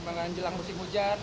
mengenai jelang musim hujan